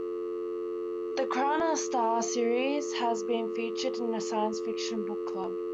The Crown of Stars series has been featured in the Science Fiction Book Club.